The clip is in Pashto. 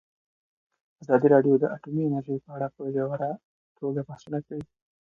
ازادي راډیو د اټومي انرژي په اړه په ژوره توګه بحثونه کړي.